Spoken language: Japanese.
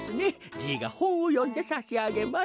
じいがほんをよんでさしあげます。